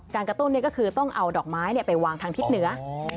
กระตุ้นก็คือต้องเอาดอกไม้ไปวางทางทิศเหนือ